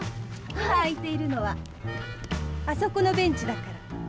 今空いているのはあそこのベンチだから。